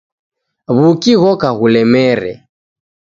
Wuki ghoka ghulemere